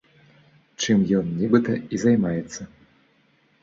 Чым ён, нібыта, і займаецца.